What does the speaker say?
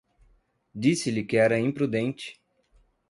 disse-lhe que era imprudente